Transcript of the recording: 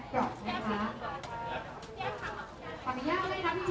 ขอบคุณครับ